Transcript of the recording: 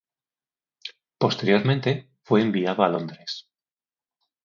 Posteriormente, fue enviado a Londres.